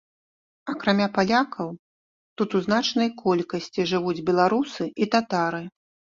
Акрамя палякаў, тут у значнай колькасці жывуць беларусы і татары.